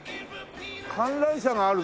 観覧車がある。